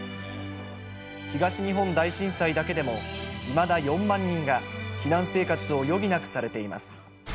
東日本大震災だけでも、いまだ４万人が避難生活を余儀なくされています。